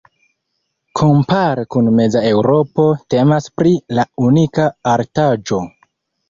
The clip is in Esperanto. Kompare kun meza Eŭropo temas pri la unika artaĵo.